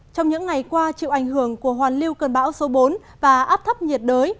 trong những ngày qua chịu ảnh hưởng của hoàn lưu cơn bão số bốn và áp thấp nhiệt đới